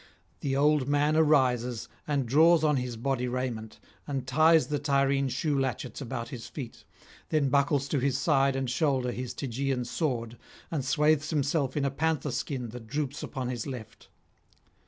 The old man arises, and draws on his body raiment, and ties the Tyrrhene shoe latchets about his feet; then buckles to his side and shoulder his Tegeaean sword, and swathes himself in a panther skin that droops upon his left.